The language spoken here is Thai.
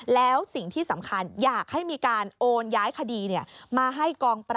แล้วสิ่งที่สำคัญอยากให้มีการโอนย้ายคดี